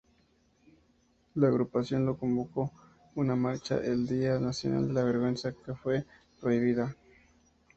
La agrupación convocó una marcha del "día nacional de la vergüenza" que fue prohibida.